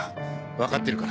わかってるから。